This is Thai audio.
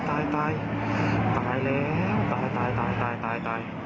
ตายแล้วตายตายตาย